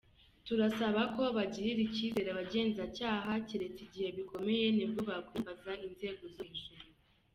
Turabasaba ko bagirira icyizere abagenzacyaha, cyeretse igihe bikomeye nibwo bakwiyambaza inzego zo hejuru.